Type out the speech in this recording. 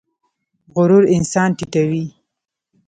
غرور انسان ټیټوي